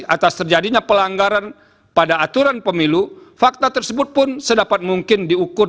atas terjadinya pelanggaran pada aturan pemilu fakta tersebut pun sedapat mungkin diukur